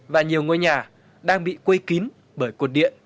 và nhiều ngôi nhà đang bị quây kín bởi cột điện